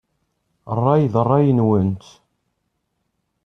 Ṛṛay d ṛṛay-nwent.